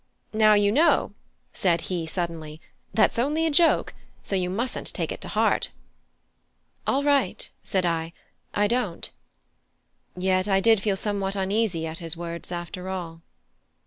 Now, you know," said he, suddenly, "that's only a joke, so you mustn't take it to heart." "All right," said I; "I don't." Yet I did feel somewhat uneasy at his words, after all.